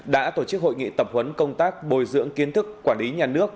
đã tổ chức hội nghị tập huấn công tác bồi dưỡng kiến thức quản lý nhà nước